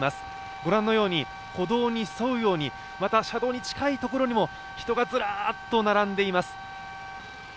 ご覧のように歩道に沿うように、また車道に近いところにも人がズラーッと並んでいます。